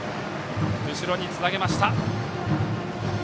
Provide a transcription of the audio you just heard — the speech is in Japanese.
後ろにつなげました。